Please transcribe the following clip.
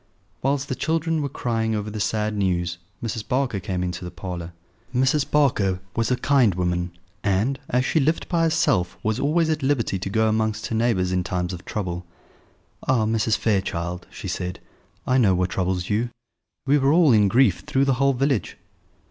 Whilst the children were crying over the sad news Mrs. Barker came into the parlour. Mrs. Barker was a kind woman, and, as she lived by herself, was always at liberty to go amongst her neighbours in times of trouble. "Ah, Mrs. Fairchild," she said, "I know what troubles you: we are all in grief through the whole village."